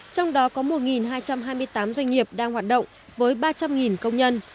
trong đó có một hai trăm hai mươi tám doanh nghiệp đang hoạt động với ba trăm linh công nhân